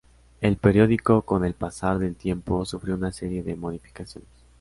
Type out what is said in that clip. El periódico, con el pasar del tiempo, sufrió una serie de modificaciones.